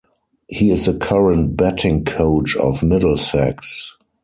He is the current batting coach of Middlesex.